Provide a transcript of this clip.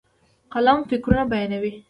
قلم فکرونه بیانوي.